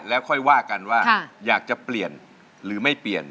แล้วค่อยว่ากันว่าอยากจะเปลี่ยนหรือไม่เปลี่ยน